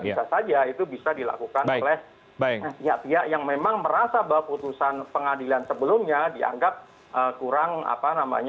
bisa saja itu bisa dilakukan oleh pihak pihak yang memang merasa bahwa putusan pengadilan sebelumnya dianggap kurang apa namanya